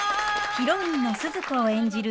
ヒロインのスズ子を演じる